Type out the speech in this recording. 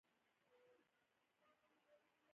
د زده کوونکو د خبرو لپاره ځانګړي اصول وو.